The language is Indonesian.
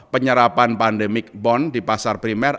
penyerapan pandemic bond di pasar primer